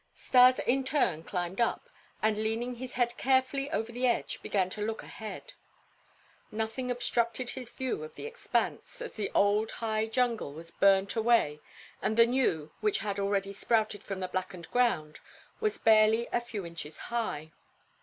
Stas in turn climbed up and, leaning his head carefully over the edge, began to look ahead. Nothing obstructed his view of the expanse, as the old, high jungle was burnt away and the new, which had already sprouted from the blackened ground, was barely a few inches high.